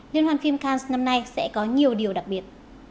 liên hoan phim cannes năm nay sẽ có nhiều điều đặc biệt